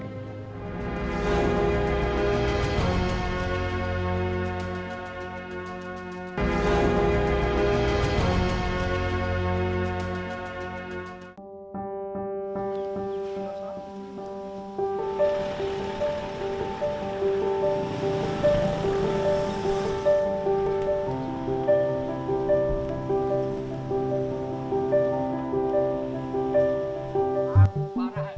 ikut mas yo yuk